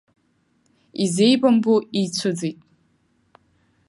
Изеибамбо еицәыӡит.